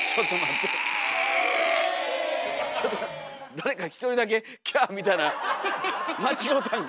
誰か一人だけキャーみたいな間違うたんか。